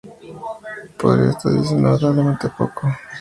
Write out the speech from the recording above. Pero esto dice notablemente poco.